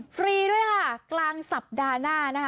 ฟรีด้วยค่ะกลางสัปดาห์หน้านะคะ